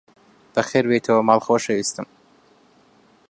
بەخێربێیتەوە ماڵ، خۆشەویستم!